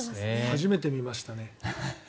初めて見ましたね。